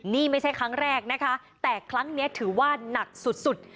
นี่ไม่ใช่ครั้งแรกนะคะแต่ครั้งนี้ถือว่าหนักสุด